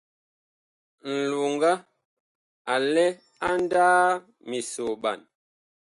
Nloŋga a lɛ a ndaaa misoɓan.